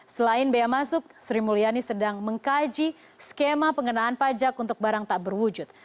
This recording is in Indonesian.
selain bea masuk sri mulyani sedang mengkaji skema pengenaan pajak untuk barang tak berwujud